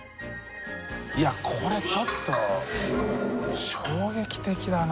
いやこれちょっと衝撃的だな。